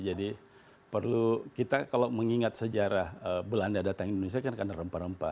jadi perlu kita kalau mengingat sejarah belanda datang indonesia kan karena rempah rempah